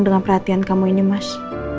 dengan perhatian kamu ini mas